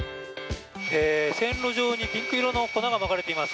線路上にピンク色の粉がまかれています。